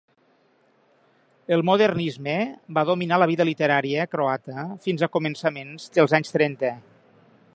El modernisme va dominar la vida literària croata fins a començaments dels anys trenta.